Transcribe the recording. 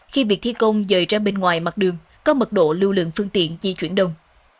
khi việc thi công rời ra bên ngoài mặt đường có mật độ lưu lượng phương tiện di chuyển đông